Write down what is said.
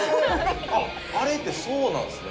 あっあれってそうなんですね。